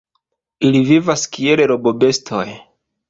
Ili vivas kiel rabobestoj.